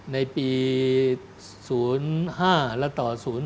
ในปี๐๕และต่อ๐๔